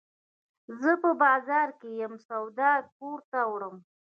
زه په بازار کي یم، سودا کور ته وړم.